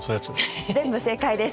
全部正解です。